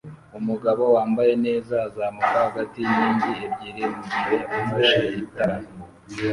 Umugabo wambaye neza azamuka hagati yinkingi ebyiri mugihe afashe itara